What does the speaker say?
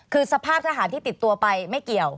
คือสภาพทหารที่ติดตัวไปไม่เกี่ยว